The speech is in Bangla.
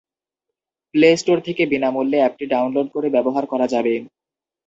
প্লে স্টোর থেকে বিনা মূল্যে অ্যাপটি ডাউনলোড করে ব্যবহার করা যাবে।